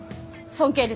尊敬です。